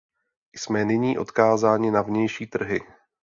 Jsme nyní odkázáni na vnější trhy.